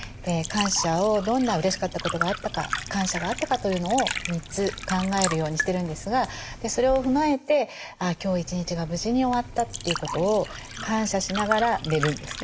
感謝をどんなうれしかったことがあったか感謝があったかというのを３つ考えるようにしてるんですがそれを踏まえてあ今日一日が無事に終わったということを感謝しながら寝るんですね。